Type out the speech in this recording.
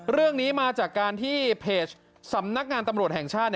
เรื่องนี้มาจากการที่เพจสำนักงานตำรวจแห่งชาติ